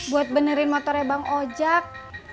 buat benerin motornya bang ojek